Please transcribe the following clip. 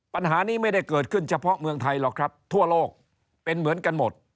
ปัญหานี้ไม่ได้เกิดขึ้นเฉพาะเมืองไทยหรอกครับทั่วโลกเป็นเหมือนกันหมด